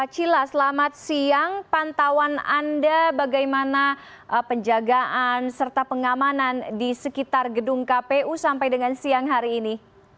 cila selamat siang pantauan anda bagaimana penjagaan serta pengamanan di sekitar gedung kpu sampai dengan siang hari ini